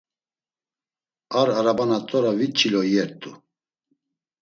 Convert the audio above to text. Ar arabana t̆ora vit çilo iyert̆u.